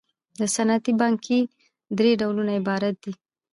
د صنعتي پانګې درې ډولونه عبارت دي